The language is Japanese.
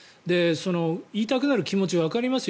言いたくなる気持ちはわかりますよ